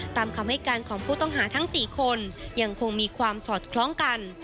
ตามคำให้การของผู้ต้องหาทั้ง๔คนยังคงมีความสอดคล้องกัน